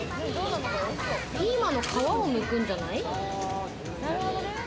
ピーマンの皮をむくんじゃない？